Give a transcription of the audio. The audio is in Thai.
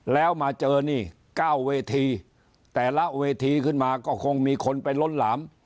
แล้วมาเจอนี่๙เวทีแต่ละเวทีขึ้นมาก็คงมีคนไปล้นหลาม